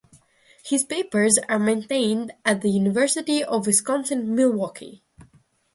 His papers are maintained at the University of Wisconsin-Milwaukee.